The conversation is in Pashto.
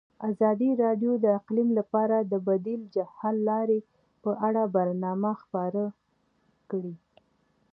ازادي راډیو د اقلیم لپاره د بدیل حل لارې په اړه برنامه خپاره کړې.